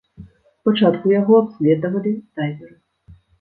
Спачатку яго абследавалі дайверы.